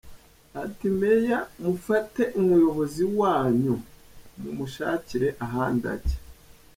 Ati “Meya mufate umuyobozi wanyu mumushakire ahandi ajya.